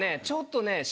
ちょっとね